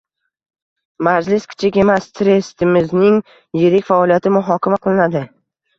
Majlis kichik emas, trestimizning yillik faoliyati muhokama qilinadi